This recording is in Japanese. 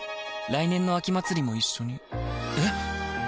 来年の秋祭も一緒にえ